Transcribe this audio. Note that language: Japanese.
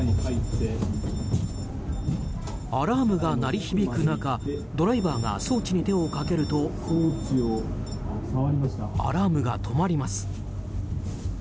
アラームが鳴り響く中ドライバーが装置に手をかけるとアラームが止まります。